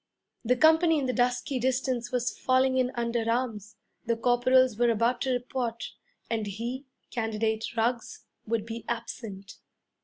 The company in the dusky distance was falling in under arms; the corporals were about to report, and he, Candidate Ruggs, would be absent.